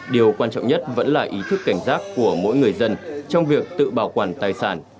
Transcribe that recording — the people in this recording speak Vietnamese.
điều quan trọng nhất vẫn là ý thức cảnh giác của mỗi người dân trong việc tự bảo quản tài sản